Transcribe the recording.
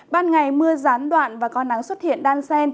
ban ngày mưa gián đoạn và con nắng xuất hiện đan xen